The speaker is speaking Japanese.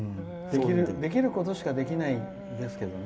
できることしかできないですけどね。